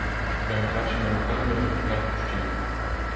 Тремтячими руками розгортав кущі.